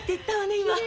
今。